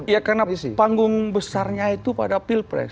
ya karena panggung besarnya itu pada pilpres